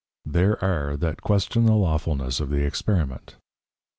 _There are that Question the Lawfulness of the Experiment.